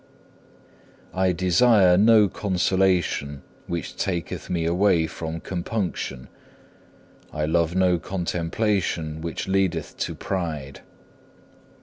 3. I desire no consolation which taketh away from me compunction, I love no contemplation which leadeth to pride.